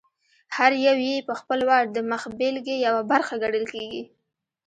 هر یو یې په خپل وار د مخبېلګې یوه برخه ګڼل کېږي.